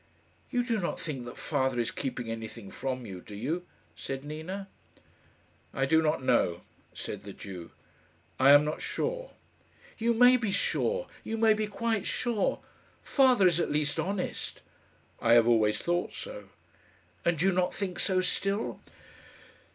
"You do not think that father is keeping anything from you, do you," said Nina. "I do not know," said the Jew. "I am not sure." "You may be sure. You may be quite sure. Father is at least honest." "I have always thought so." "And do you not think so still?"